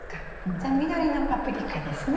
じゃあ緑のパプリカですね？